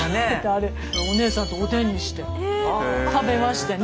あれお姉さんとおでんにして食べましてね。